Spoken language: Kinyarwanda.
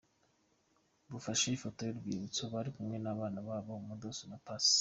Bafashe ifoto y'urwibutso bari kumwe n'abana babo Maddox na Pax .